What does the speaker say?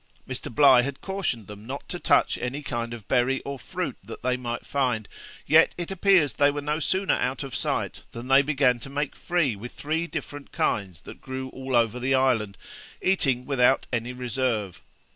Mr. Bligh had cautioned them not to touch any kind of berry or fruit that they might find; yet it appears they were no sooner out of sight, than they began to make free with three different kinds that grew all over the island, eating without any reserve.